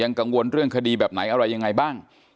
กังวลเรื่องคดีแบบไหนอะไรยังไงบ้าง